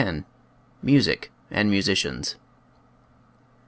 MUSIC AND MUSICIANS.